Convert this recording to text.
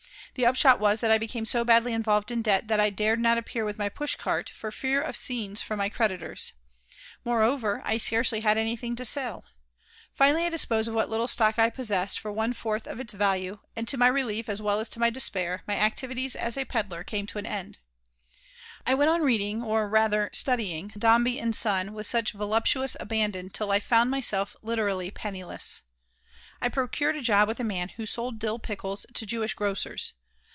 The upshot was that I became so badly involved in debt that I dared not appear with my push cart for fear of scenes from my creditors. Moreover, I scarcely had anything to sell. Finally I disposed of what little stock I still possessed for one fourth of its value, and, to my relief as well as to my despair, my activities as a peddler came to an end I went on reading, or, rather, studying, Dombey and Son with voluptuous abandon till I found myself literally penniless. I procured a job with a man who sold dill pickles to Jewish grocers.